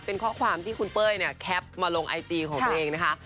เป็นข้อความที่คุณเป้ยเนี่ยแคปมาลงไอจีของตัวเองนะคะ